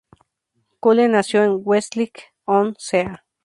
Cullen nació en Westcliff-on-Sea.